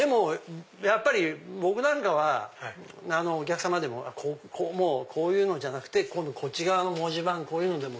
やっぱり僕なんかはお客さまこういうのじゃなくてこっち側の文字盤でも。